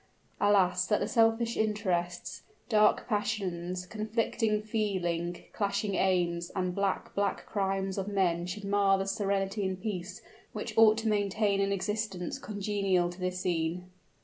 Alas! that the selfish interests, dark passions, conflicting feeling, clashing aims, and black, black crimes of men should mar the serenity and peace which ought to maintain an existence congenial to this scene!